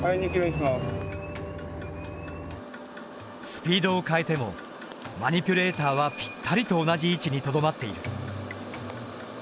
スピードを変えてもマニピュレーターはぴったりと同じ位置にとどまっている。